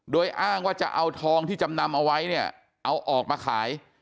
โดยอ้างว่าจะเอาทองที่จำนำเอาไว้เนี่ยเอาออกมาขาย